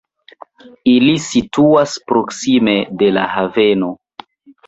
Ili situas proksime de la haveno.